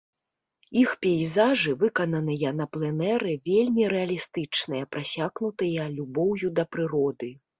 Іх пейзажы, выкананыя на пленэры, вельмі рэалістычныя, прасякнутыя любоўю да прыроды.